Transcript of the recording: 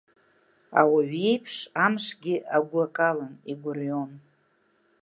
Ауаҩ иеиԥш, амшгьы агәы акалан, игәырҩон.